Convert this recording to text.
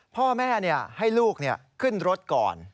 พ่อแม่ให้ลูกขึ้นรถก่อน